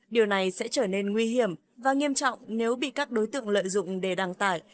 điều này sẽ trở nên nguy hiểm và nghiêm trọng nếu bị các đối tượng lợi dụng để đăng tải